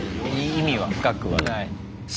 意味は深くはない。